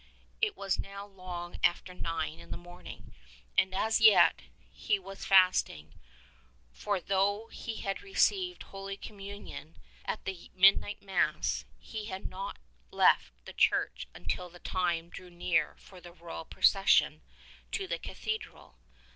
It was now long after nine in the morning, and as yet he was fast ing; for though he had received Holy Communion at the Midnight Mass, he had not left the church until the time drew near for the royal procession to the cathedral.